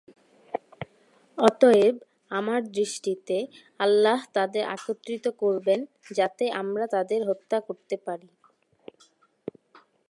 অতএব, আমার দৃষ্টিতে, আল্লাহ তাদের একত্রিত করবেন যাতে আমরা তাদের হত্যা করতে পারি।